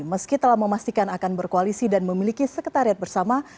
meski telah memastikan akan berkoalisi dan memiliki sekretariat bersama